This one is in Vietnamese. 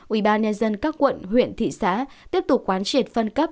ủy ban nhân dân các quận huyện thị xã tiếp tục quán triệt phân cấp